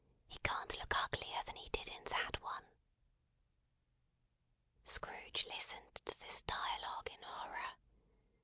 He can't look uglier than he did in that one." Scrooge listened to this dialogue in horror.